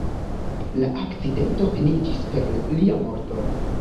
La akcidento finiĝis per lia morto.